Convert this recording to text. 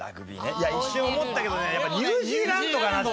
いや一瞬思ったけどねやっぱニュージーランドかなって。